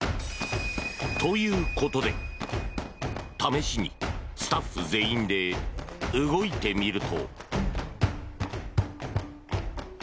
ということで、試しにスタッフ全員で動いてみると。